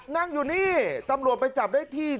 นั่งอยู่นี่ตำรวจไปจับได้ที่